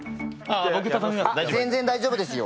全然大丈夫ですよ。